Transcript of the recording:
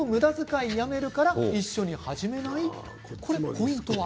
ポイントは？